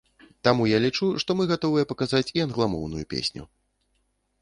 Таму я лічу, што мы гатовыя паказаць і англамоўную песню.